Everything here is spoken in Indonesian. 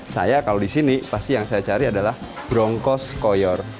saya kalau di sini pasti yang saya cari adalah bronkos koyor